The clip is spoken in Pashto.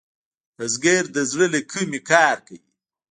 بزګر د زړۀ له کومي کار کوي